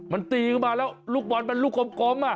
มันตีเข้ามาแล้วลูกบ่อนมันลูกกลมอ่ะ